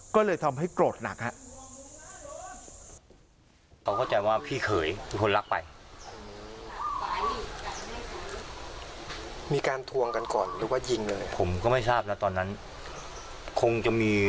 ก็เลยทำให้โกรธหนักครับ